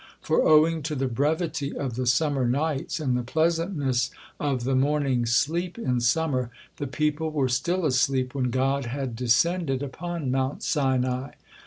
For owing to the brevity of the summer nights, and the pleasantness of the morning sleep in summer, the people were still asleep when God had descended upon Mount Sinai.